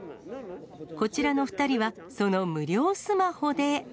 こちらの２人は、その無料スマホで。